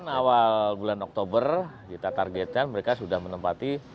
awal bulan oktober kita targetkan mereka sudah menempati